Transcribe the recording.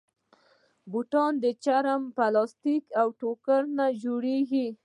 بوټونه د چرم، پلاسټیک، او ټوکر نه جوړېږي.